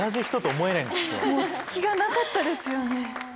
もう隙がなかったですよね。